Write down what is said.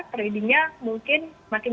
tradingnya mungkin semakin